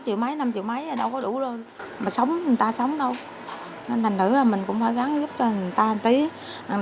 chi phí gửi con trong dịp hè cũng cao hơn bình thường